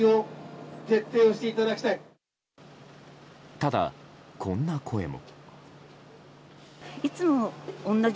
ただ、こんな声も。